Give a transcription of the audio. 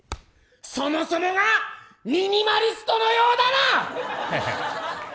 そもそもがミニマリストのようだな！